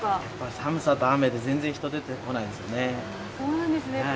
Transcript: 寒さと雨で全然人出てこないですね。